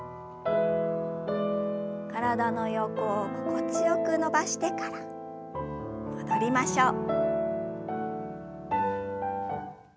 体の横を心地よく伸ばしてから戻りましょう。